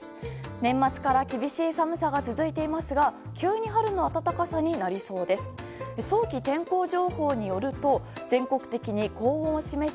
年末から厳しい寒さが続いていますが急に春の暖かさになりそうです。